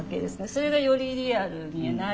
それがよりリアルになり。